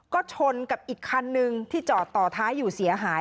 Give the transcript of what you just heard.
ก็ชนกับอีกคันนึงที่จอดต่อท้ายอยู่เสียหาย